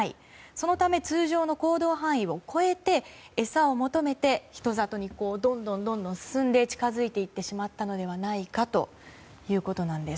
そのため通常の行動範囲を超えて餌を求めて人里にどんどん進んで近づいていってしまったのではないかということなんです。